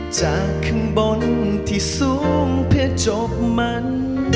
จากข้างบนที่สูงเพชรจบมัน